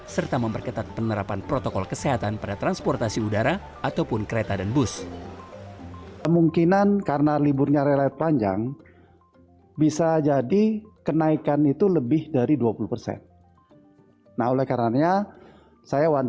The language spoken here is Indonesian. serta memperketat penerapan protokol kesehatan pada transportasi udara